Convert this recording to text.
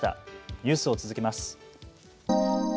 ニュースを続けます。